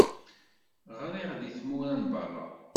Ɣṛiɣ di tmura n beṛṛa.